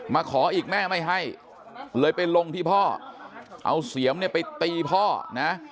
มาขออีกแม่ไม่ให้เลยไปลงที่พ่อเอาเสียมเนี่ยไปตีพ่อนะ